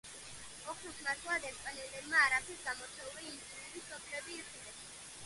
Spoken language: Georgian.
ოქროს ნაცვლად ესპანელებმა არაფრით გამორჩეული ინდიური სოფლები იხილეს.